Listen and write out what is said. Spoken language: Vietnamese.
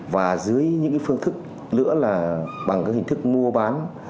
và dưới những phương thức nữa là bằng các hình thức mua bán